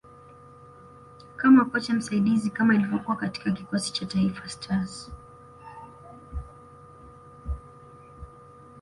kama kocha msaidizi kama ilivyokuwa katika kikosi cha Taifa Stars